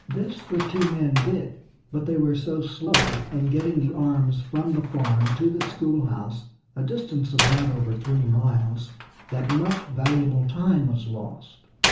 This the two men did; but they were so slow in getting the arms from the farm to the schoolhouse, a distance of not over three miles, that much valuable time was lost.